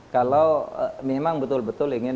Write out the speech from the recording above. kalau memang betul betul ingin